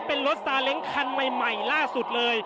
เป็นรถซาเล้งคันใหม่ล่าสุดเลย